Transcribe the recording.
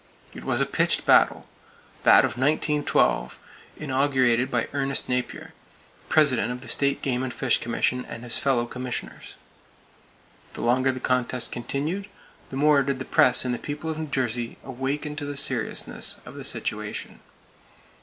It was a pitched battle,—that of 1912, inaugurated by Ernest Napier, President of the State Game and Fish Commission and his fellow commissioners. The longer the contest continued, the more did the press and the people of New Jersey awaken to the seriousness of the situation.